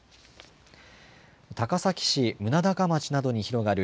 高崎市棟高町などに広がる